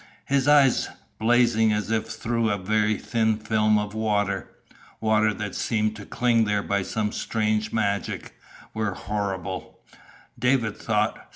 His eyes, blazing as if through a very thin film of water water that seemed to cling there by some strange magic were horrible, David thought.